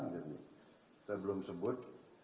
jadi saya belum sebut